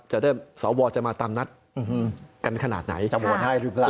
สวจะมาตามนัดกันขนาดไหนจะโหวตให้หรือเปล่า